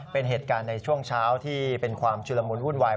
เป็นเหตุการณ์ในช่วงเช้าที่เป็นความชุลมุนวุ่นวาย